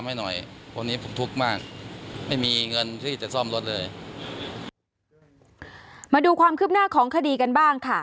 มาดูความคืบหน้าของคดีกันบ้างค่ะ